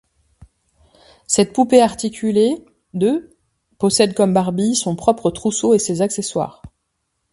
Cette poupée articulée de possède comme Barbie son propre trousseau et ses accessoires.